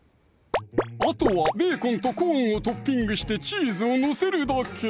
あとはベーコンとコーンをトッピングしてチーズを載せるだけ！